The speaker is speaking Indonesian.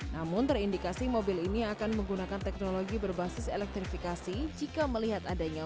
namun terindikasi mobil ini akan menggunakan teknologi berbasis elektrifikasi jika melihat adanya